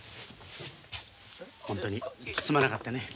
本当にすまなかったね。